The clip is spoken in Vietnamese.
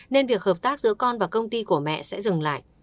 nên việc hợp tác giữa con và công ty của mẹ sẽ dừng lại